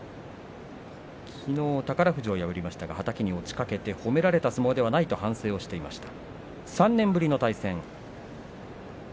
きのう、宝富士を破りましたがはたきに落ちかけて褒められた相撲ではないと反省してました。